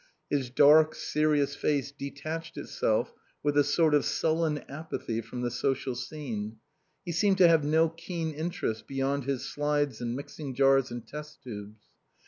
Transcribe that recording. His dark, serious face detached itself with a sort of sullen apathy from the social scene. He seemed to have no keen interests beyond his slides and mixing jars and test tubes.